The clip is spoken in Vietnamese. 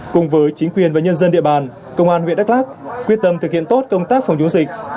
cùng với chính quyền và nhân dân địa bàn công an huyện đắk lắc quyết tâm thực hiện tốt công tác phòng chống dịch